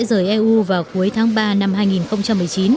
anh sẽ rời eu vào cuối tháng ba năm hai nghìn một mươi chín